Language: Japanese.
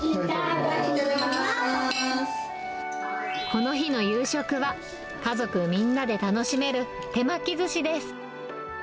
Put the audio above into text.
この日の夕食は、家族みんなで楽しめる手巻きずしです。